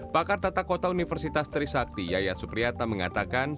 pakar tata kota universitas trisakti yayat supriyata mengatakan